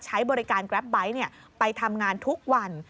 ใช้บริการแกรปไบท์ไปทำงานทุกวัน